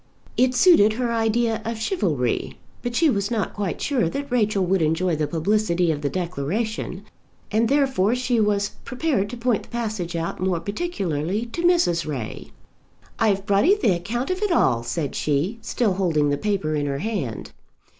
It suited her idea of chivalry. But she was not quite sure that Rachel would enjoy the publicity of the declaration, and therefore she was prepared to point the passage out more particularly to Mrs. Ray. "I've brought 'ee the account of it all," said she, still holding the paper in her hand.